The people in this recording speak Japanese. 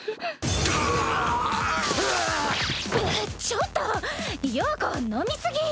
ちょっと曜子飲み過ぎ！